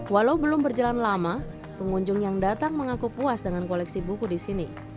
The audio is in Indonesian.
walau belum berjalan lama pengunjung yang datang mengaku puas dengan koleksi buku di sini